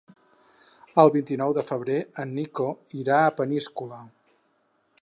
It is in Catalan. El vint-i-nou de febrer en Nico irà a Peníscola.